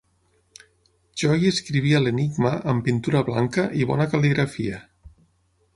Jo hi escrivia l'enigma amb pintura blanca i bona cal·ligrafia.